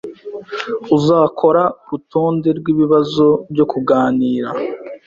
Uzakora urutonde rwibibazo byo kuganira?